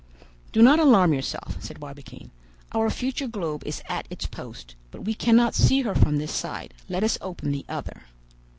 "Do not alarm yourself," said Barbicane; "our future globe is at its post, but we cannot see her from this side; let us open the other."